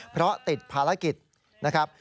เพราะติดภารกิจนะครับ